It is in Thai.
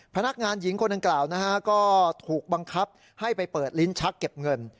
พนักงานหญิงคนดังกล่าวนะฮะก็ถูกบังคับให้ไปเปิดลิ้นชักเก็บเงิน